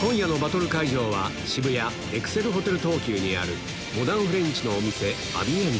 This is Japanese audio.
今夜のバトル会場は渋谷エクセルホテル東急にあるモダンフレンチのお店アビエント